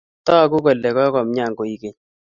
Tagu kole kokomian koek keny.